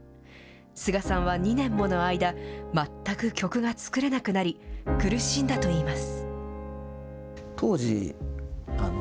スガさんは２年もの間、全く曲が作れなくなり、苦しんだといいます。